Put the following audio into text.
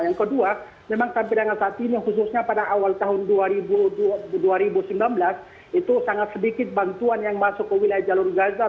yang kedua memang sampai dengan saat ini khususnya pada awal tahun dua ribu sembilan belas itu sangat sedikit bantuan yang masuk ke wilayah jalur gaza